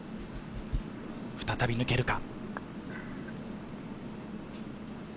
再び抜けるか？